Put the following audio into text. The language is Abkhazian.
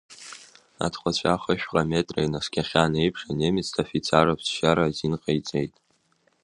Аҭҟәацәа хышәҟа метра инаскьахьан еиԥш анемецтә афицар аԥсшьара азин ҟаиҵеит.